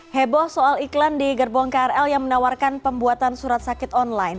hai heboh soal iklan di gerbong krl yang menawarkan pembuatan surat sakit online